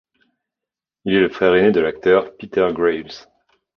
Il est le frère aîné de l'acteur Peter Graves.